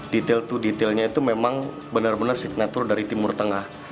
detail to detailnya itu memang benar benar signatur dari timur tengah